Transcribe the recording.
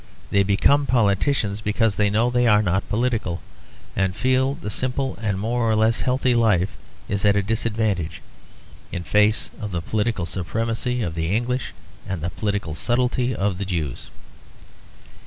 They become politicians because they know they are not political; and feel their simple and more or less healthy life is at a disadvantage, in face of the political supremacy of the English and the political subtlety of the Jews.